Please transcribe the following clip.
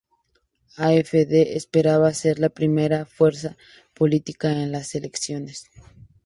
AfD esperaba ser la primera fuerza política en las elecciones.